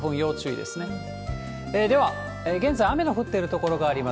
では、現在、雨の降っている所があります。